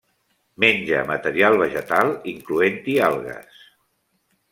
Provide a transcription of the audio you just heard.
Menja matèria vegetal, incloent-hi algues.